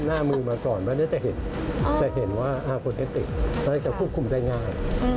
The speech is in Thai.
หน้ามือมาก่อนมันก็จะเห็นว่าควบคุมได้ง่าย